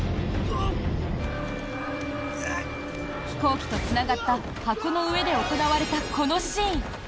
飛行機とつながった箱の上で行われたこのシーン。